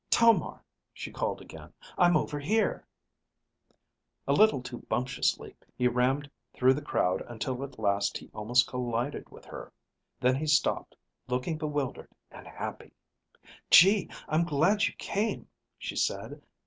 "Tomar," she called again. "I'm over here." A little too bumptiously, he rammed through the crowd until at last he almost collided with her. Then he stopped, looking bewildered and happy. "Gee, I'm glad you came," she said.